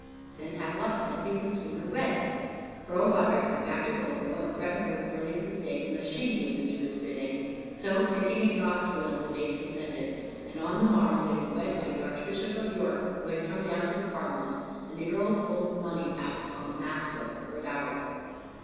Then Havelok said he would sooner wed. Earl Godrich went back to Goldborough and threatened her with burning at the stake unless she yielded to his bidding. So, thinking it God's will, the maid consented. And on the morrow they were wed by the Archbishop of York, who had come down to the Parliament, and the earl told money out upon the mass book for her dower.